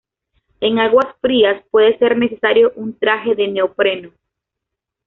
En aguas frías puede ser necesario un traje de neopreno.